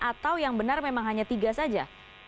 atau yang benar memang hanya tiga saja